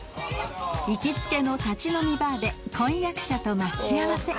行きつけの立ち飲みバーで婚約者と待ち合わせ。